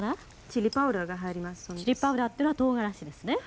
チリパウダーっていうのはとうがらしですね。